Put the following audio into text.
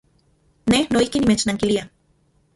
Ne noijkon nimechnankilia.